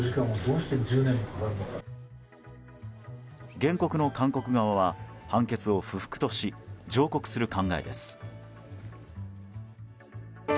原告の韓国側は判決を不服とし上告する考えです。